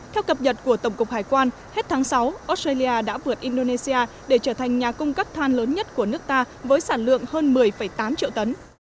theo cập nhật của tổng cục hải quan hết tháng sáu australia đã vượt indonesia để trở thành nhà cung cấp than lớn nhất của nước ta với sản lượng hơn một mươi tám triệu tấn